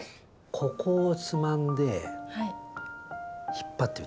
ここをつまんで引っ張ってみてください。